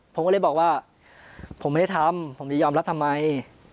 ผมก็เลยบอกว่าผมไม่ได้ทำผมจะยอมรับทำไม